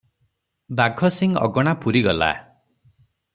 ବାଘସିଂ ଅଗଣା ପୂରିଗଲା ।